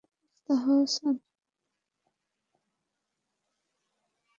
নাটকটির সংগীত পরিকল্পনা ফারজানা করিমের এবং পোশাক পরিকল্পনায় ছিলেন রাফায়েল আহসান।